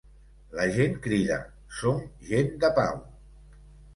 La gent crida ‘som gent de pau’.